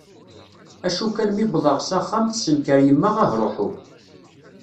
Acu kan mi i wḍeɣ s axxam tessenker yemma ahruḥu.